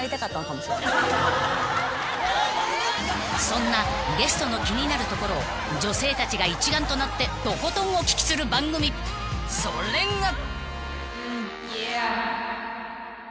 ［そんなゲストの気になるところを女性たちが一丸となってとことんお聞きする番組それが］